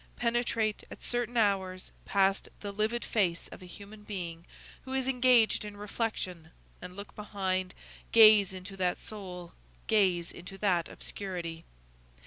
Penetrate, at certain hours, past the livid face of a human being who is engaged in reflection, and look behind, gaze into that soul, gaze into that obscurity.